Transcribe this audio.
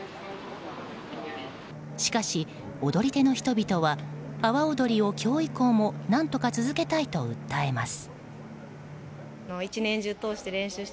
しかし、踊り手の人々は阿波おどりを今日以降も何とか続けたいと訴えます。